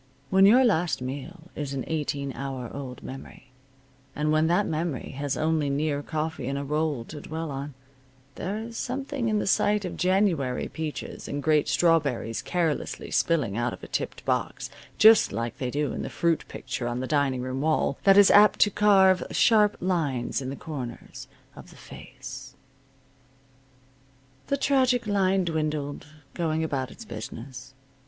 When your last meal is an eighteen hour old memory, and when that memory has only near coffee and a roll to dwell on, there is something in the sight of January peaches and great strawberries carelessly spilling out of a tipped box, just like they do in the fruit picture on the dining room wall, that is apt to carve sharp lines in the corners of the face. The tragic line dwindled, going about its business.